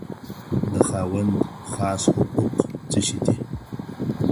د خاوند خاص حقوق څه شي دي؟